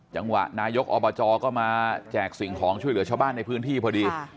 จังหวะนายกอบจก็มาแจกสิ่งของช่วยเหลือชาวบ้านในพื้นที่พอดี